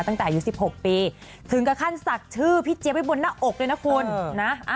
ตั้งแต่อายุ๑๖ปีถึงกับขั้นศักดิ์ชื่อพี่เจี๊ยไว้บนหน้าอกด้วยนะคุณนะ